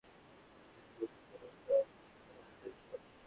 তাঁর সৃষ্টিকর্ম আগামী প্রজন্মের সঙ্গে পরিচয় করিয়ে দেওয়াটাও আমাদের সবারই দায়িত্ব।